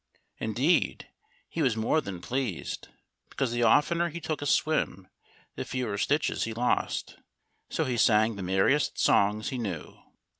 Indeed, he was more than pleased, because the oftener he took a swim the fewer stitches he lost. So he sang the merriest songs he knew.